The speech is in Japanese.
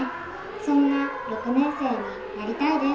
そんな６年生になりたいです。